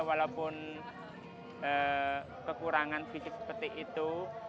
walaupun kekurangan fisik seperti itu